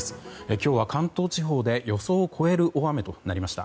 今日は関東地方で予想を超える大雨となりました。